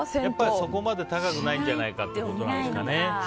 そこまで高くないんじゃないかということですかね。